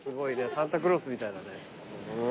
サンタクロースみたいだね。